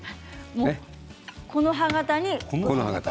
木の葉形に。